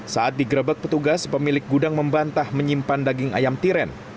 saat digerebek petugas pemilik gudang membantah menyimpan daging ayam tiren